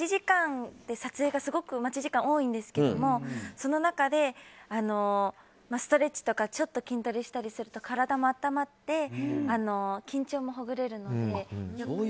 撮影がすごく待ち時間多いんですけどその中で、ストレッチとかちょっと筋トレしたりすると体も温まって緊張もほぐれるので、よく。